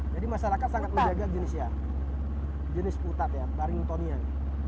jadi masyarakat sangat menjaga jenis putat ya barringtonian